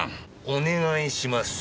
お願いします。